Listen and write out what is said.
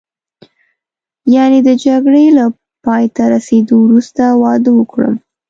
یعنې د جګړې له پایته رسېدو وروسته واده وکړم.